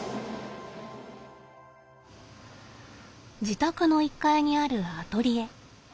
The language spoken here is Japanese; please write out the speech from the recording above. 自宅の１階にあるアトリエ。